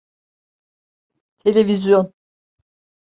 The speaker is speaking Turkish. Televizyon…